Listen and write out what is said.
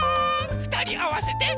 ふたりあわせて。